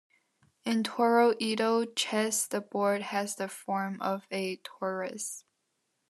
In Toroidal chess the board has the form of a torus.